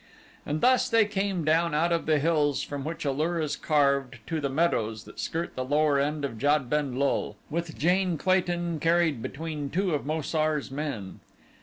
And thus they came down out of the hills from which A lur is carved, to the meadows that skirt the lower end of Jad ben lul, with Jane Clayton carried between two of Mo sar's men.